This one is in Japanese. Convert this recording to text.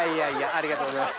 ありがとうございます。